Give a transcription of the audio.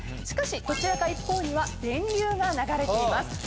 しかしどちらか一方には電流が流れています。